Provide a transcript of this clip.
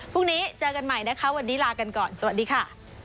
พรุ่งนี้เจอกันใหม่นะคะวันนี้ลากันก่อนสวัสดีค่ะ